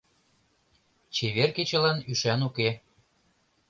Чевер кечылан ӱшан уке